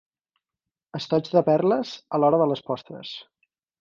Estoigs de perles a l'hora de les postres.